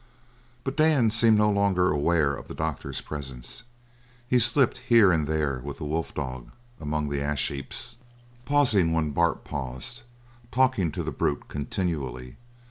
But Dan seemed no longer aware of the doctor's presence. He slipped here and there with the wolf dog among the ash heaps, pausing when Bart paused, talking to the brute continually.